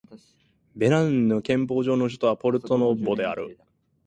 ベナンの憲法上の首都はポルトノボである